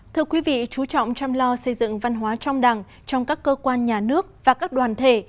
thưa quý vị chú trọng chăm lo xây dựng văn hóa trong đảng trong các cơ quan nhà nước và các đoàn thể